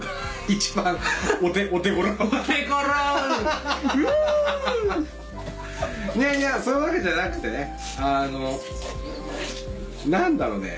いやいやそういうわけじゃなくてね何だろうね